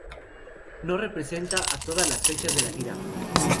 No representa a todas las fechas de la gira.